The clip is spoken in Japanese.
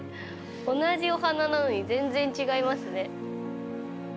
同じお花なのに全然違いますね。